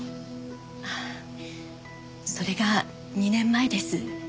ああそれが２年前です。